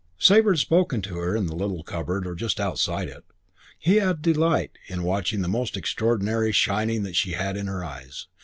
Sabre had spoken to her in the little cupboard or just outside it. He had delight in watching the most extraordinary shining that she had in her eyes.